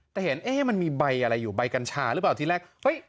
แต่เห็นเอ๊ะมันมีใบอะไรอยู่ใบกัญชาหรือเปล่าที่แรก